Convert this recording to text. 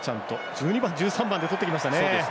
１２番、１３番でとってきました。